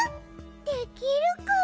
できるかな？